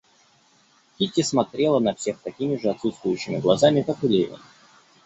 Кити смотрела на всех такими же отсутствующими глазами, как и Левин.